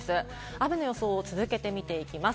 雨の予想を続けて見ていきます。